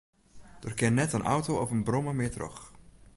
Der kin net in auto of in brommer mear troch.